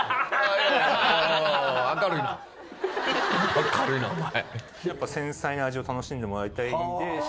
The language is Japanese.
明るいなお前。